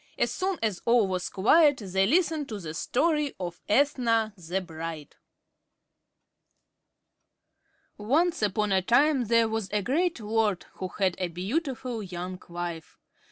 As soon as all was quiet, they listened to the story of "Ethna, the Bride." Once upon a time there was a great lord, who had a beautiful young wife.